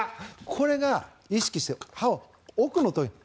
これが意識して歯を奥につける。